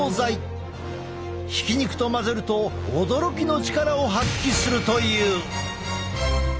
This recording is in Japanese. ひき肉と混ぜると驚きの力を発揮するという！